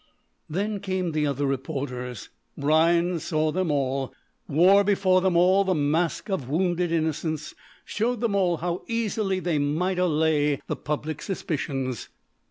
Then came the other reporters. Rhinds saw them all, wore before them all the mask of wounded innocence, showed them all how easily they might allay all public suspicions.